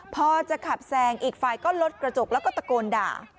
พอจะขับแซงอีกฝ่ายก็ลดกระจกแล้วก็ตะโกนด่า